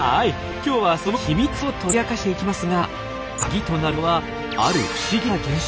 今日はその秘密を解き明かしていきますがカギとなるのはある不思議な現象。